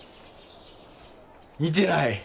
似てない。